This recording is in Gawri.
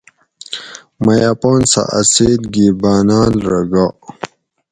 مئ اپونسہ اۤ سیت گی باۤناۤل رہ گا